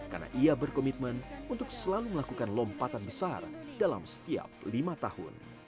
karena ia berkomitmen untuk selalu melakukan lompatan besar dalam setiap lima tahun